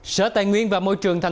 sở tài nguyên và môi trường tp hcm